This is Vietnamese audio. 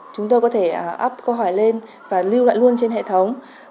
chúng tôi có thể up câu hỏi lên và lưu lại luôn trên hệ thống